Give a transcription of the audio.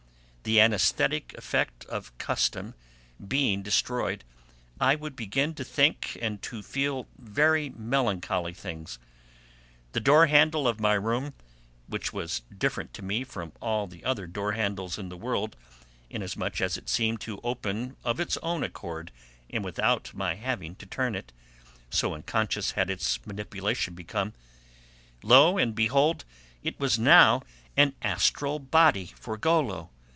The anaesthetic effect of custom being destroyed, I would begin to think and to feel very melancholy things. The door handle of my room, which was different to me from all the other doorhandles in the world, inasmuch as it seemed to open of its own accord and without my having to turn it, so unconscious had its manipulation become; lo and behold, it was now an astral body for Golo.